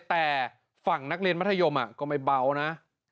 แต่ฝั่งนักเรียนมัธยมก็ไม่เบานะ